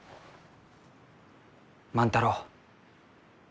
万太郎。